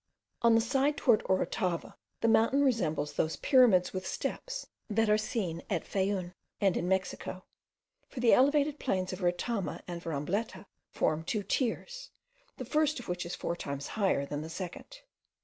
On the side toward Orotava the mountain resembles those pyramids with steps that are seen at Fayoum and in Mexico; for the elevated plains of Retama and Rambleta form two tiers, the first of which is four times higher than the second.